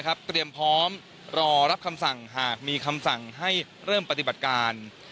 เตรียมพร้อมรอรับคำสั่งหากมีคำสั่งให้เริ่มปฏิบัติการ